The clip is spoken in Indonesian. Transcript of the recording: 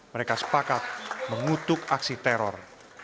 mereka sepakat mengutuk aksi teror